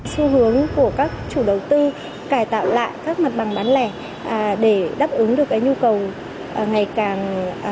xu hướng của các chủ đầu tư cải tạo lại các mặt bằng bán lẻ để đáp ứng được nhu cầu ngày càng